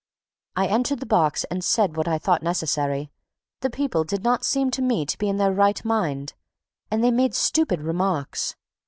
I entered the box and said what I thought necessary. The people did not seem to me to be in their right mind; and they made stupid remarks.